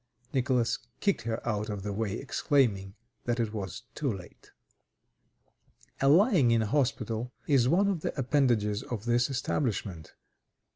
Nicholas kicked her out of the way, exclaiming that it was too late. A Lying in Hospital is one of the appendages of this establishment.